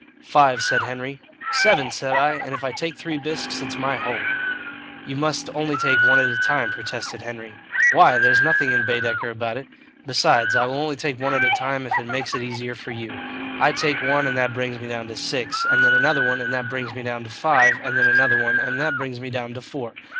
"Five," said Henry. "Seven," said I; "and if I take three bisques it's my hole." "You must only take one at a time," protested Henry. "Why? There's nothing in Baedeker about it. Besides, I will only take one at a time if it makes it easier for you. I take one, and that brings me down to six, and then another one and that brings me down to five, and then another one and that brings me down to four.